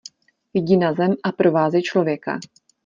Jdi na zem a provázej člověka.